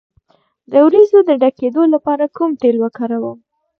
د وروځو د ډکیدو لپاره کوم تېل وکاروم؟